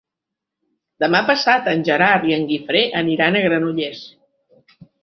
Demà passat en Gerard i en Guifré aniran a Granollers.